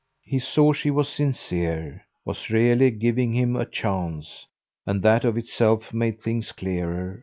He saw she was sincere, was really giving him a chance; and that of itself made things clearer.